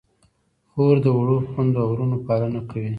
خور د وړو خویندو او وروڼو پالنه کوي.